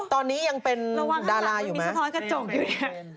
ตอนนี้ยังเป็นดาราอยู่มั้ย